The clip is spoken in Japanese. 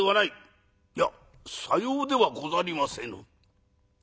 「いやさようではござりませぬ。